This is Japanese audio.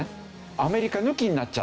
アメリカ抜きになっちゃった。